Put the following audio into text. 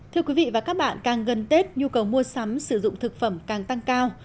thưa quý vị và các bạn càng gần tết nhu cầu mua sắm sử dụng thực phẩm càng tăng cao